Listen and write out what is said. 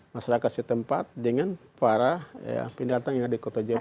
masyarakat setempat dengan para pendatang yang ada di kota jayapura